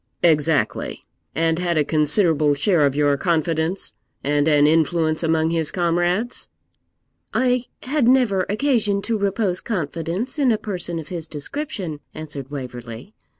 'Exactly and had a considerable share of your confidence, and an influence among his comrades?' 'I had never occasion to repose confidence in a person of his description,' answered Waverley.